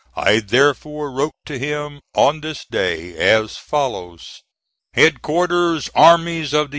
I therefore wrote to him on this day, as follows: HEADQUARTERS ARMIES OF THE U.